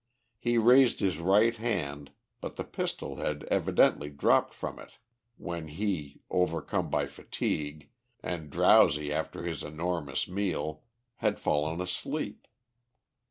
He raised his right hand, but the pistol had evidently dropped from it when he, overcome by fatigue, and drowsy after his enormous meal, had fallen asleep.